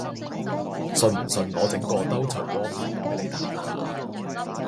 信唔信我整個兜捶窩面俾你嘆下